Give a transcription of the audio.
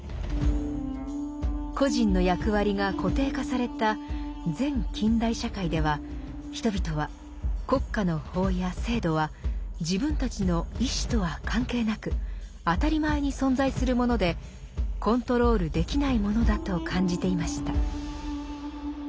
個人の役割が固定化された前近代社会では人々は国家の法や制度は自分たちの意志とは関係なく当たり前に存在するものでコントロールできないものだと感じていました。